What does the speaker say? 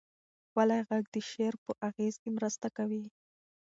ښکلی غږ د شعر په اغېز کې مرسته کوي.